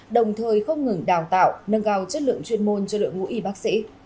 đồng thời không ngừng đào tạo nâng cao chất lượng chuyên môn cho đội ngũ y bác sĩ